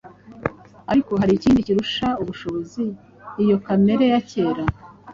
ariko hari ikindi kirusha ubushobozi iyo kamere ya kera.